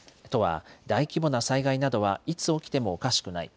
都は大規模な災害などはいつ起きてもおかしくない。